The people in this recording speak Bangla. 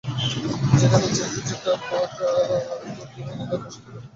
ওদের চেয়ে কিছুটা পাকা মনে হলো আরেকটু দূরে বসে থাকা দুই তরুণকে।